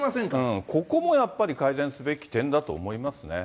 ここもやっぱり改善すべき点だと思いますね。